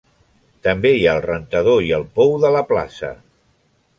També hi ha el Rentador i el Pou de la Plaça.